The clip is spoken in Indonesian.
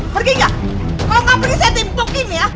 pergi gak kalau gak pergi saya timpukin ya